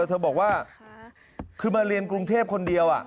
เธอบอกว่าคือมาเรียนกรุงเทพคนเดียว